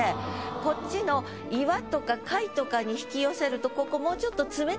こっちの「岩」とか「貝」に引き寄せるとここもうちょっと。